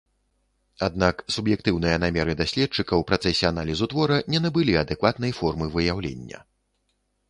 Аднак суб'ектыўныя намеры даследчыка ў працэсе аналізу твора не набылі адэкватнай формы выяўлення.